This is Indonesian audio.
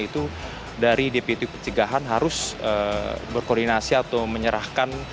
itu dari dptu kecegahan harus berkoordinasi atau menyerahkan